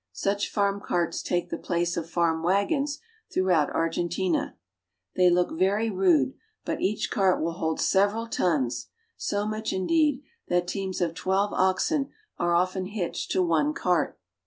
Such farm carts take the place of farm wagons throughout Argentina. They look very rude, but each cart will hold several tons — so much, indeed, that teams of twelve oxen are often hitched to one cart.